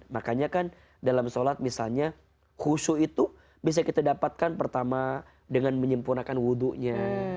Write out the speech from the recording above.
makanya kan dalam sholat misalnya khusyuk itu bisa kita dapatkan pertama dengan menyempurnakan wudhunya